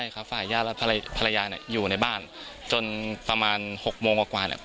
ตอนนั้นฝ่ายยาดและภารยาอยู่ในบ้านจนประมาณ๖โมงกว่า